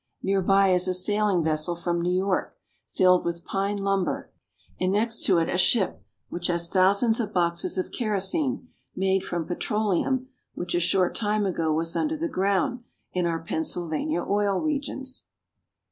Near by is a sailing vessel from New York filled with pine lumber, and next to it a ship which has thousands of boxes of kerosene made from petroleum which a short time ago was under the ground in our Pennsylvania oil regions.